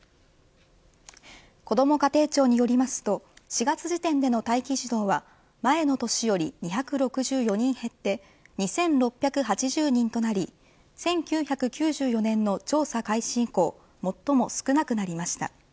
こども家庭庁によりますと４月時点での待機児童は前の年より２６４人減って２６８０人となり１９９４年の調査開始以降最も少なくなりました。